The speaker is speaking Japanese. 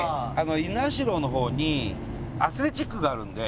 猪苗代の方にアスレチックがあるので。